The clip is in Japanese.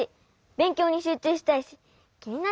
べんきょうにしゅうちゅうしたいしきになっちゃうもん。